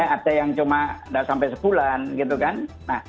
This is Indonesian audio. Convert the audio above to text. ada yang cuma sampai sebulan gitu kan